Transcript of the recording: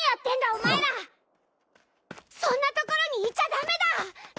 お前らそんなところにいちゃダメだ！